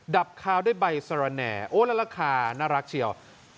ับคาวด้วยใบสระแหน่โอ้แล้วราคาน่ารักเชียว